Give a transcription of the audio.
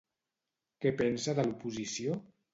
Què pensa de l'oposició?